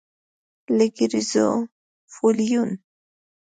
لکه ګریزوفولوین.